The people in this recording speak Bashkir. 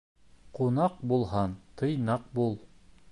Ҡунаҡ булһаң, тыйнаҡ бул.